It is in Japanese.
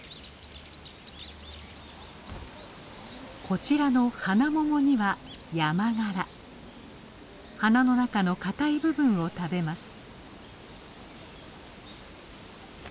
こちらのハナモモには花の中のかたい部分を食べます。